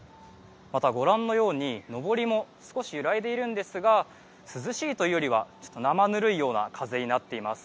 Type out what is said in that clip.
またご覧のように、のぼりも少し揺らいでいるんですが涼しいというよりは生ぬるいような風になっています。